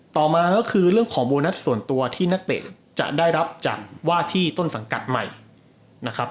ต่อมาก็คือเรื่องของโบนัสส่วนตัวที่นักเตะจะได้รับจากว่าที่ต้นสังกัดใหม่นะครับ